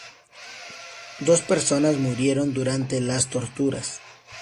Dos personas murieron durante las torturas.